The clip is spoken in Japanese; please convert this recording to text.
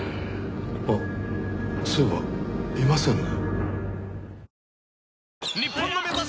あっそういえばいませんね。